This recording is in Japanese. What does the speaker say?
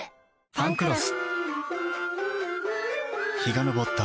「ファンクロス」